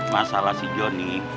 masalah si johnny